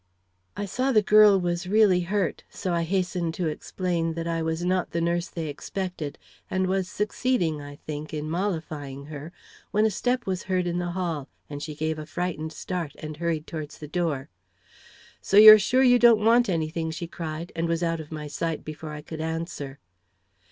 I saw the girl was really hurt, so I hastened to explain that I was not the nurse they expected, and was succeeding, I think, in mollifying her, when a step was heard in the hall, and she gave a frightened start, and hurried towards the door. "So you are sure you don't want anything?" she cried, and was out of my sight before I could answer.